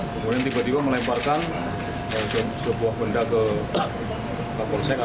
kemudian tiba tiba melemparkan sebuah benda ke kapolsek